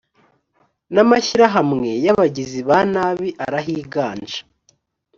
n’ amashyirahamwe y abagizi ba nabi arihiganje